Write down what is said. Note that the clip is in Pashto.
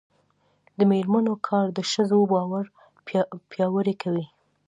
د میرمنو کار د ښځو باور پیاوړی کوي.